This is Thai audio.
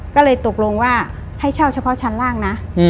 ก็เลยตกลงว่าให้เช่าเฉพาะชั้นล่างนะ